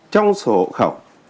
trong sổ hộ khẩu